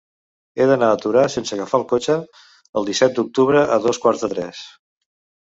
He d'anar a Torà sense agafar el cotxe el disset d'octubre a dos quarts de tres.